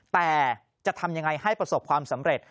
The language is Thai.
แต่จะทำยังไงให้ประสบความสำเร็จ